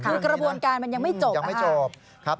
คือกระบวนการมันยังไม่จบ